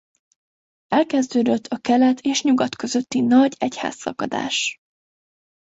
Elkezdődött a Kelet és Nyugat közötti nagy egyházszakadás.